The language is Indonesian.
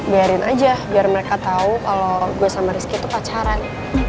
biarin aja biar mereka tahu kalau gue sama rizky itu pacaran